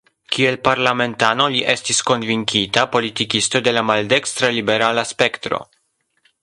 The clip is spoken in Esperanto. Kiel parlamentano li estis konvinkita politikisto de la maldekstra-liberala spektro.